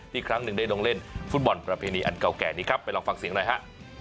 อีกครั้งหนึ่งได้ลงเล่นฟุตบอลประเพณีอันเก่าแก่นี้ครับไปลองฟังเสียงหน่อยฮะ